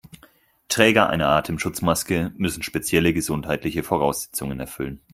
Träger einer Atemschutzmaske müssen spezielle gesundheitliche Voraussetzungen erfüllen.